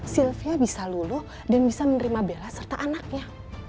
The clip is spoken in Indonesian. sylvia bisa luluh dan bisa menerima bela serta anaknya